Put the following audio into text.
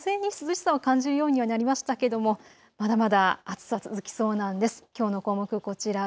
少しずつ風に涼しさを感じるようになりましたけどもまだまだ暑さ、続きそうなんです。